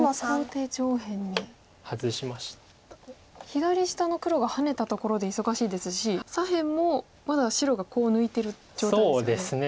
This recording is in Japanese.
左下の黒がハネたところで忙しいですし左辺もまだ白がコウを抜いてる状態ですね。